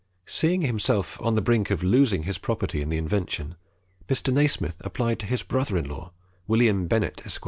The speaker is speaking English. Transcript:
Seeing himself on the brink of losing his property in the invention, Mr. Nasmyth applied to his brother in law, William Bennett, Esq.